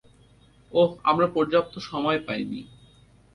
ওহ, আমরা পর্যাপ্ত সময় পাইনি!